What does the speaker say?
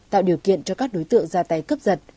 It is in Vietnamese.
tạo điều kiện cho các đối tượng ra tay cướp giật